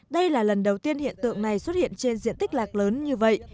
đây là lần đầu tiên hiện tượng này xuất hiện trên diện tích lạc lớn như vậy